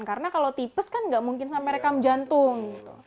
karena kalau tipes kan nggak mungkin sampai rekam jantung